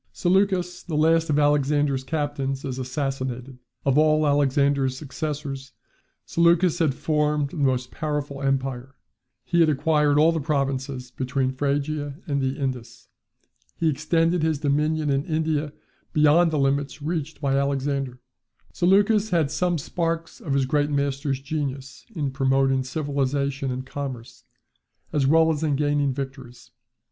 Seleucus, the last of Alexander's captains, is assassinated. Of all Alexander's successors, Seleucus had formed the most powerful empire. He had acquired all the provinces between Phrygia and the Indus. He extended his dominion in India beyond the limits reached by Alexander. Seleucus had some sparks of his great master's genius in promoting civilization and commerce, as well as in gaining victories.